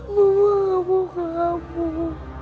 mama ngamuk ngamuk